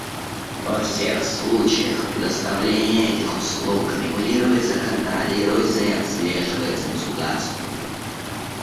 Во всех случаях, предоставление этих услуг регулируется, контролируется и отслеживается государством.